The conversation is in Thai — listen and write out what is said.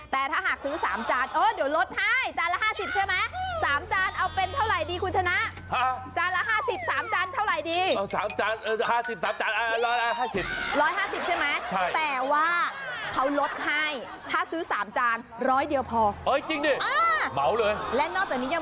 แต่ถ้าถ้าซื้อ๓จานเดี๋ยวลดให้จานละ๕๐ใช่มั้ย